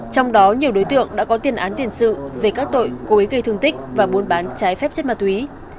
trong đó nhiều đối tượng đã có tiền án tiền sự về các tội cố ý gây thương tích và buôn bán trái phép chất ma túy